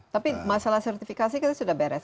tapi masalah sertifikasi kita sudah beres